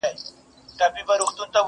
رمې څنګه دلته پايي وطن ډک دی د لېوانو؛